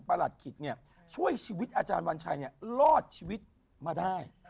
หลัดขิตช่วยชีวิตอาจารย์วันชัยรอดชีวิตมาได้